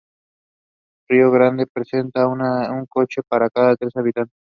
Río Grande presenta un coche para cada tres habitantes.